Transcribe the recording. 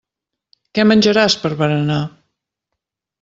Què menjaràs per berenar.